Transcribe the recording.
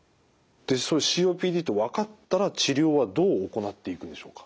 ＣＯＰＤと分かったら治療はどう行っていくんでしょうか？